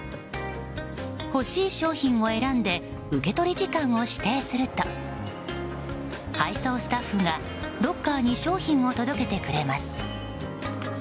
欲しい商品を選んで受取時間を指定すると配送スタッフがロッカーに商品を届けてくれます。